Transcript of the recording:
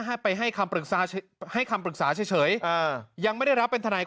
ให้ไปให้คำปรึกษาให้คำปรึกษาเฉยยังไม่ได้รับเป็นทนาย